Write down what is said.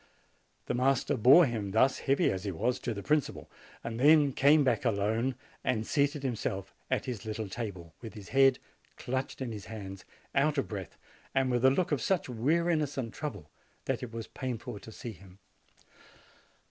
The master bore him thus, heavy as he was, to the principal, and then came back alone and seated himself at his little table, with his head clutched in his hands, out of breath, and with a look of such weariness and trouble that it was painful to see him.